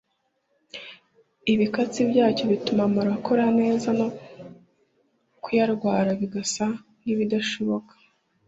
ibikatsi byacyo bituma amara akora neza no kuyarwara bigasa nk’ibidashoboka